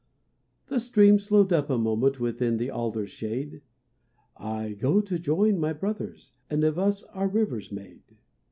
The stream slowed up a moment Within the alder's shade; "I go to join my brothers, And of us are rivers made.